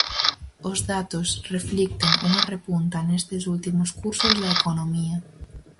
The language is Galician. Os datos reflicten unha repunta nestes últimos cursos da economía.